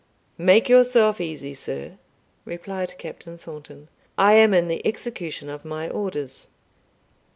"Make yourself easy, sir," replied Captain Thornton; "I am in the execution of my orders.